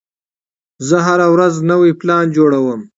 زه هره ورځ نوی پلان جوړوم.